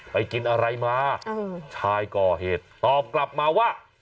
ไปกินอะไรมาชายก่อเหตุตอบกลับมาว่า